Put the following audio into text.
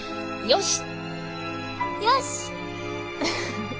よし！